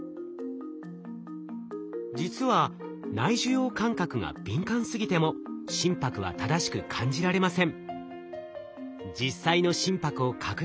実は内受容感覚が敏感すぎても心拍は正しく感じられません。